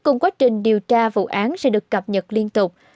cùng quá trình điều tra vụ án sẽ được cập nhật liên tục